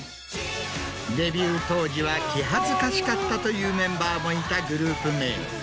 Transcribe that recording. デビュー当時は気恥ずかしかったというメンバーもいたグループ名。